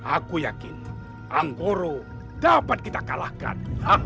aku yakin anggoro dapat kita kalahkan